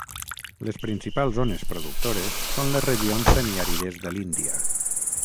Les principals zones productores són les regions semiàrides de l'Índia.